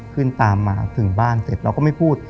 ขึ้นตามมาถึงบ้านเสร็จเราก็ไม่พูด